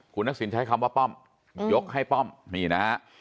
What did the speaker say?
คุณทักษิณใช้คำว่าป้อมยกให้ป้อมนี่นะฮะ